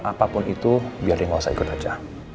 apapun itu biar dia nggak usah ikut aja